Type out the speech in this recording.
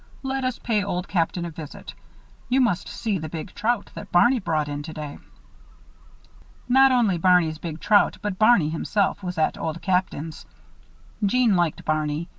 Let us pay Old Captain a visit. You must see the big trout that Barney brought in today." Not only Barney's big trout but Barney himself was at Old Captain's. Jeanne liked Barney.